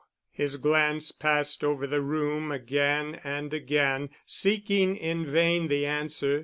His glance passed over the room again and again, seeking in vain the answer.